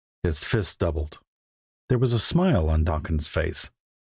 His fists doubled; there was a smile on Donkin's face.